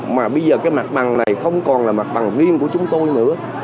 mà bây giờ cái mặt bằng này không còn là mặt bằng riêng của chúng tôi nữa